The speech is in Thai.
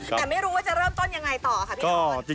แต่ไม่รู้ว่าจะเริ่มต้นยังไงต่อค่ะพี่ทอน